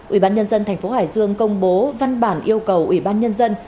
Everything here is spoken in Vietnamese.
ủy ban nhân dân thành phố hải dương công bố văn bản yêu cầu ủy ban nhân dân